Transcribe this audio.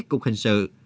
cục hình sự